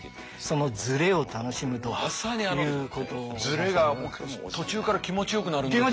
ズレが途中から気持ちよくなるんですよね。